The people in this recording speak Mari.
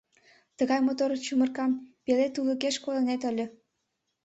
Тыгай мотор чумыркам пеле тулыкеш кодынет ыле...»